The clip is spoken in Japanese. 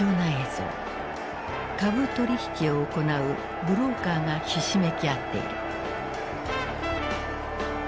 株取引を行うブローカーがひしめき合っている。